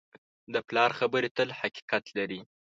د پلار خبرې تل حقیقت لري.